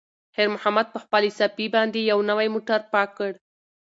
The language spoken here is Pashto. خیر محمد په خپلې صافې باندې یو نوی موټر پاک کړ.